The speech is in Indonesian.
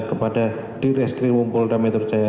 kepada direktri wumpol dan metro jaya